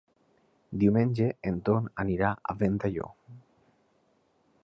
Diumenge en Ton anirà a Ventalló.